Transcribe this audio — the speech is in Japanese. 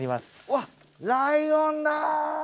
あっわあライオンだ！